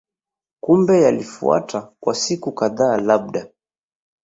Kumbe yalifuata kwa siku kadhaa labda